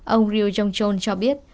ông ryo jongchon cho biết